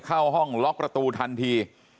เข้าห้องล็อกประตูทันที